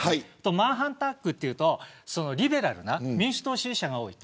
マンハッタン区というとリベラルな民主党支持者が多い。